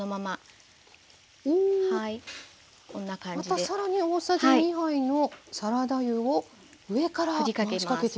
また更に大さじ２杯のサラダ油を上から回しかけていく。